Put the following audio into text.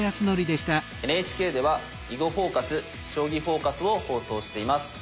ＮＨＫでは「囲碁フォーカス」「将棋フォーカス」を放送しています。